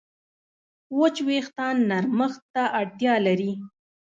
وچ وېښتيان نرمښت ته اړتیا لري.